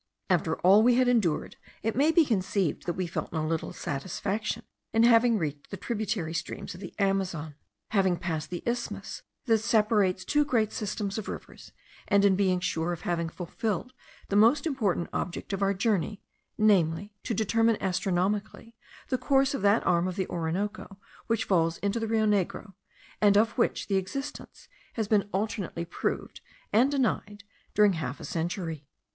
After all we had endured, it may be conceived that we felt no little satisfaction in having reached the tributary streams of the Amazon, having passed the isthmus that separates two great systems of rivers, and in being sure of having fulfilled the most important object of our journey, namely, to determine astronomically the course of that arm of the Orinoco which falls into the Rio Negro, and of which the existence has been alternately proved and denied during half a century.